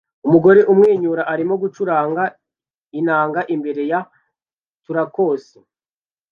Umugore umwenyura arimo gucuranga inanga imbere ya turquoise